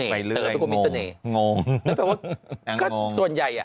นั่นแปลว่าส่วนใหญ่